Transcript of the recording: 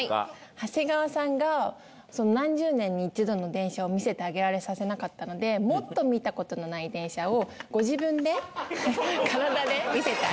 長谷川さんが何十年に一度の電車を見せてあげられさせなかったのでもっと見たことのない電車をご自分で体で見せてあげる。